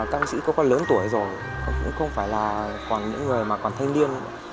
bác sĩ có lớn tuổi rồi không phải là những người mà còn thanh niên